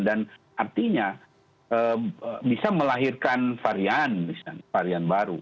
dan artinya bisa melahirkan varian varian baru